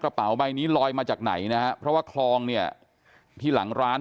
กระเป๋าใบนี้ลอยมาจากไหนนะฮะเพราะว่าคลองเนี่ยที่หลังร้าน